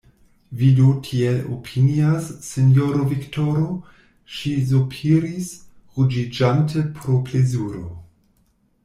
Vi do tiel opinias, sinjoro Viktoro, ŝi sopiris, ruĝiĝante pro plezuro.